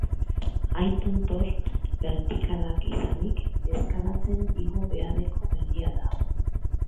Hain tontor bertikalak izanik, eskalatzen igo beharreko mendia da.